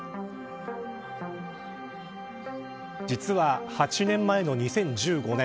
実は、８年前の２０１５年